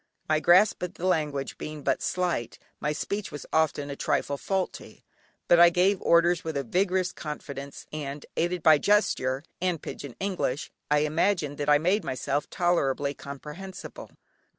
My grasp of the language being but slight, my speech was often a trifle faulty, but I gave orders with a vigorous confidence, and aided by gesture and "pigeon English" I imagined that I made myself tolerably comprehensible.